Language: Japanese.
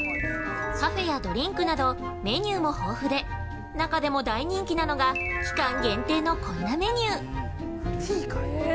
パフェやドリンクなどメニューも豊富で中でも大人気なのが期間限定のこんなメニュー！